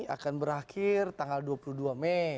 akan berakhir tanggal dua puluh dua mei